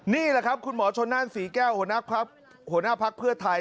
นี่แหละครับคุณหมอชนนั่นศรีแก้วหัวหน้าภักดิ์เพื่อไทย